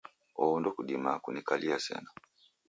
Oho ndokudimaa kunikalia sena.